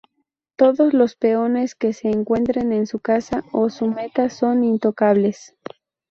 Todos los peones que se encuentren en su casa o su meta son intocables.